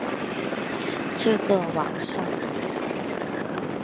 这个晚上